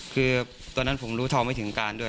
คือตอนนั้นผมรู้ทองไม่ถึงการด้วย